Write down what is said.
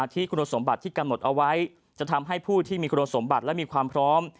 ที่คุณสมบัติที่กำหนดเอาไว้จะทำให้ผู้ที่มีคุณสมบัติและมีความพร้อม